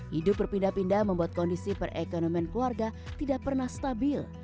hidup berpindah pindah membuat kondisi perekonomian keluarga tidak pernah stabil